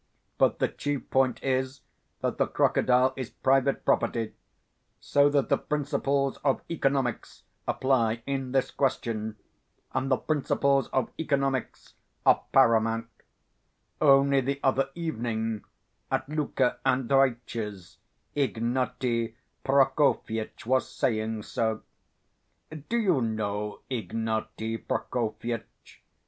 But the chief point is that the crocodile is private property, so that the principles of economics apply in this question. And the principles of economics are paramount. Only the other evening, at Luka Andreitch's, Ignaty Prokofyitch was saying so. Do you know Ignaty Prokofyitch?